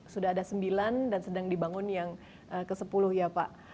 sudah ada sembilan dan sedang dibangun yang ke sepuluh ya pak